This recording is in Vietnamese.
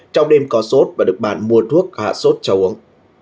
trong đêm có sốt và được bạn mua thuốc hạ sốt cho uống